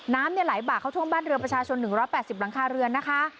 น้ำไหลบากเข้าท่วมบ้านเรือประชาชน๑๘๐หลังคาเรือนนะคะ